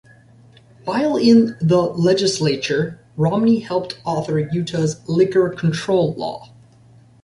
While in the legislature, Romney helped author Utah's liquor control law.